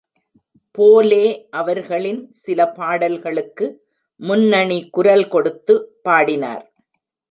போலே அவர்களின் சில பாடல்களுக்கு முன்னணி குரல் கொடுத்து பாடினார்.